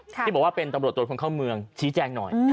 ที่บอกว่าเป็นตำรวจตรวจคนเข้าเมืองชี้แจงหน่อย